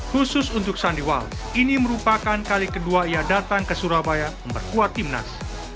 khusus untuk sandiwal ini merupakan kali kedua ia datang ke surabaya memperkuat timnas